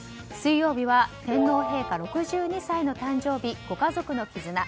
水曜日は天皇陛下６２歳の誕生日ご家族の絆。